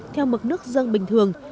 theo mực nước dân bình thường